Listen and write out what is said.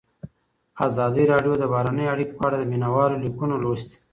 ازادي راډیو د بهرنۍ اړیکې په اړه د مینه والو لیکونه لوستي.